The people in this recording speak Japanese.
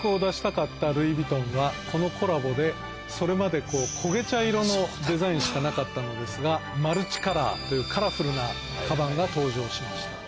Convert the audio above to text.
このコラボでそれまでこげ茶色のデザインしかなかったのですがマルチカラーというカラフルなカバンが登場しました。